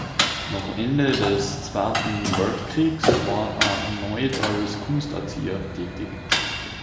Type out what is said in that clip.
Nach Ende des Zweiten Weltkrieges war er erneut als Kunsterzieher tätig.